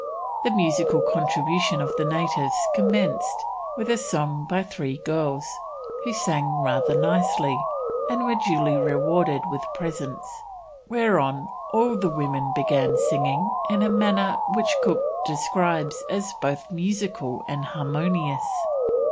The musical contribution of the natives commenced with a song by three girls, who sang rather nicely, and were duly rewarded with presents, whereon all the women began singing in a manner which Cook describes as "both musical and harmonious."